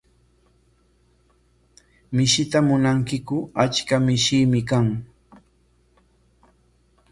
¿Mishita munankiku? Achka mishiimi kan.